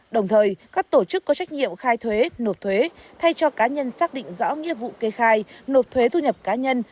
đồng thời các tổ chức có trách nhiệm khai thuế nộp thuế thay cho cá nhân xác định rõ nghiệp vụ kê khai nộp thuế thu nhập cá nhân